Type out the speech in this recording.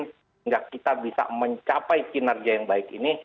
sehingga kita bisa mencapai kinerja yang baik ini